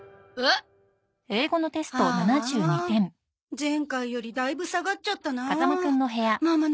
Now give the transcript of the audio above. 前回よりだいぶ下がっちゃったな。